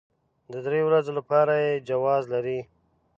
د درې ورځو لپاره يې جواز لري.